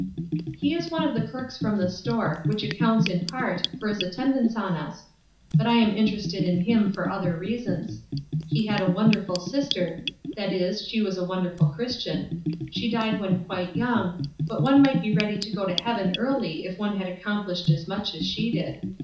"He is one of the clerks from the store, which accounts, in part, for his attendance on us. But I am interested in him for other reasons. He had a wonderful sister; that is, she was a wonderful Christian; she died when quite young, but one might be ready to go to heaven early if one had accomplished as much as she did.